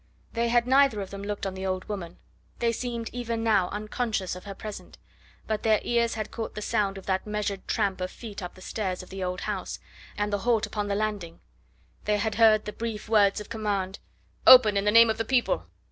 They had neither of them looked on the old woman; they seemed even now unconscious of her presence. But their ears had caught the sound of that measured tramp of feet up the stairs of the old house, and the halt upon the landing; they had heard the brief words of command: "Open, in the name of the people!"